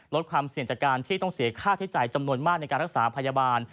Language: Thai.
ลดความเสี่ยงจากการที่ต้องเสียค่าใช้จ่ายจำนวนมากในการรักษาพยาบาล